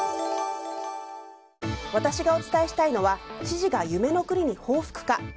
私がお伝えしたいのは知事が夢の国に報復か？